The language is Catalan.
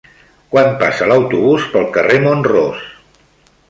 Quan passa l'autobús pel carrer Mont-ros?